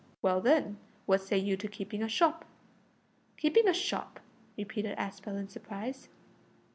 "Well, then, what say you to keeping a shop?" "Keeping a shop!" repeated Aspel in surprise.